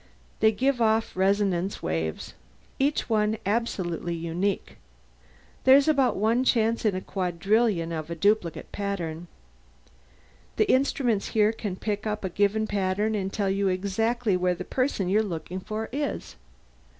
They give off resonance waves, each one absolutely unique; there's about one chance in a quadrillion of a duplicate pattern. The instruments here can pick up a given pattern and tell you exactly where the person you're looking for is."